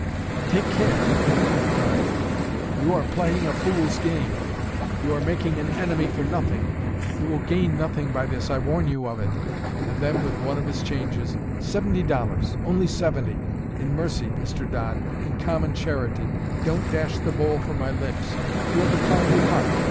"Take care," he cried. "You are playing a fool's game; you are making an enemy for nothing; you will gain nothing by this, I warn you of it!" And then with one of his changes, "Seventy dollars only seventy in mercy, Mr. Dodd, in common charity. Don't dash the bowl from my lips! You have a kindly heart.